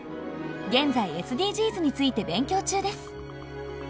現在ＳＤＧｓについて勉強中です。